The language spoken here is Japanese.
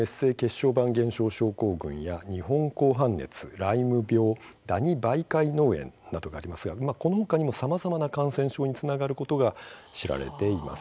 小板減少症候群や日本紅斑熱、ライム病ダニ媒介脳炎などがありますがこの他にもさまざまな感染症につながることが知られています。